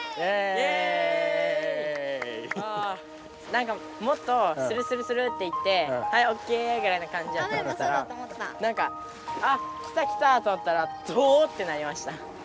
なんかもっとスルスルスルって行ってはいオッケー！ぐらいなかんじやと思ったらなんかあきたきたと思ったら遠！ってなりました。